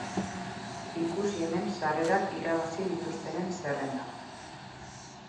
Ikusi hemen sarrerak irabazi dituztenen zerrenda.